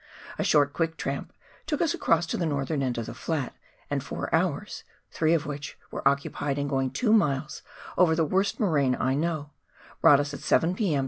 A short, quick tramp took us across to the northern end of the flat, and four hours — three of which were occupied in going two miles over the worst moraine I know — brought us at 7 p.m.